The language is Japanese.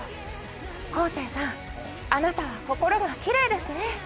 昴生さんあなたは心がきれいですね